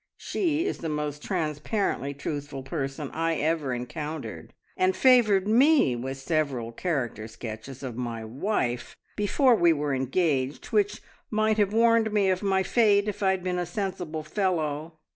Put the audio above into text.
"She is the most transparently truthful person I ever encountered, and favoured me with several character sketches of my wife before we were engaged, which might have warned me of my fate if I'd been a sensible fellow.